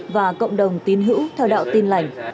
và cộng đồng tín hữu theo đạo tin lạnh